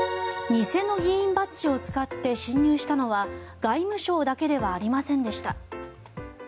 偽の議員バッジを使って侵入したのは外務省だけではありませんでした。